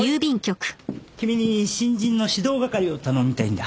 君に新人の指導係を頼みたいんだ。